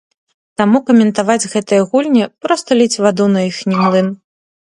Таму каментаваць гэтыя гульні, проста ліць ваду на іхні млын.